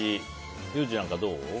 ユージなんかどう？